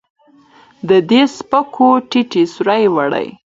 د دې سپکو ټيټې سورې وړي